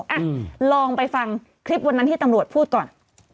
อ่ะลองไปฟังคลิปวันนั้นที่ตำรวจพูดก่อน